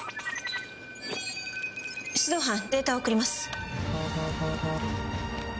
出動班データを送ります。